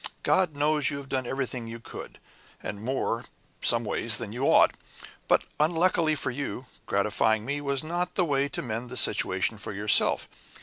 God knows you have done everything you could, and more some ways than you ought. But, unluckily for you, gratifying me was not the way to mend the situation for yourself.